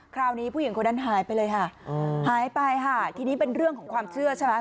คราวนี้ผู้หญิงคนนั้นหายไปเลยค่ะหายไปค่ะทีนี้เป็นเรื่องของความเชื่อใช่ไหม